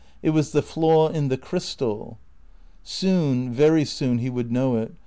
"It was the flaw in the crystal." Soon, very soon he would know it.